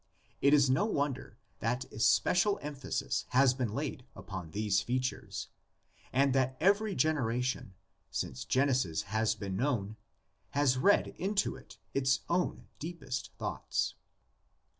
It is no won der that especial emphasis has been laid upon these features, and that every generation, since Genesis has been known, has read into it its own deepest thoughts.